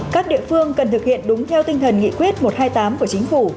các địa phương cần thực hiện đúng theo tinh thần nghị quyết một trăm hai mươi tám của chính phủ